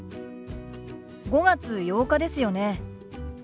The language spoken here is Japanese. ５月８日ですよね。